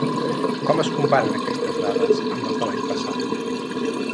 Com es comparen aquestes dades amb les de l'any passat?